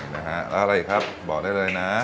นะฮะแล้วอะไรอีกครับบอกได้เลยนะ